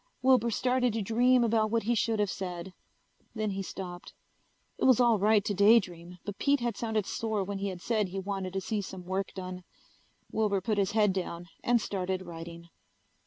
Wilbur started to dream about what he should have said. Then he stopped. It was all right to daydream but Pete had sounded sore when he had said he wanted to see some work done. Wilbur put his head down and started writing.